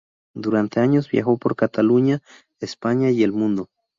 Durante años viajó por Cataluña, España y el mundo.